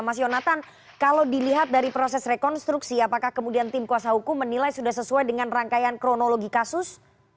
mas yonatan kalau dilihat dari proses rekonstruksi apakah kemudian tim kuasa hukum menilai sudah sesuai dengan rangkaian kronologi kasus